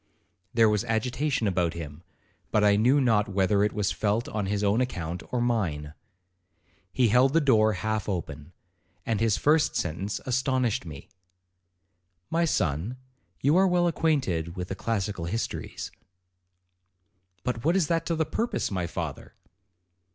There was agitation about him, but I knew not whether it was felt on his own account or mine. He held the door half open, and his first sentence astonished me.—'My son, you are well acquainted with the classical histories.' 'But what is that to the purpose, my father?'